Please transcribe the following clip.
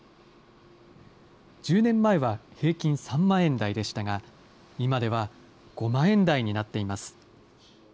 １０年前は平均３万円台でしたが、今では５万円台になっています。